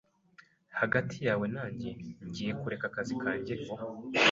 Hagati yawe nanjye, ngiye kureka akazi kanjye vuba.